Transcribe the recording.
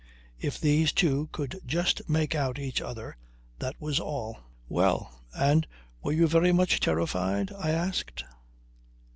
If these two could just make out each other that was all. "Well! And were you very much terrified?" I asked.